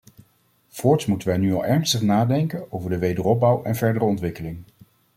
Voorts moeten wij nu al ernstig nadenken over de wederopbouw en verdere ontwikkeling.